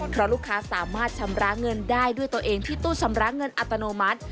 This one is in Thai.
เพราะลูกค้าสามารถชำระเงินได้ด้วยตัวเองที่ตู้ชำระเงินอัตโนมัติ